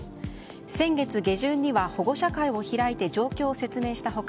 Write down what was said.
先月下旬には保護者会を開いて状況を説明した他